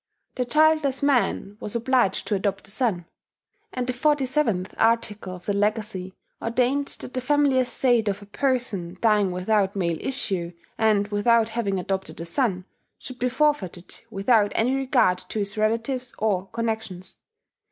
The childless man was obliged to adopt a son; and the 47th article of the Legacy ordained that the family estate of a person dying without male issue, and without having adopted a son, should be "forfeited without any regard to his relatives or connexions."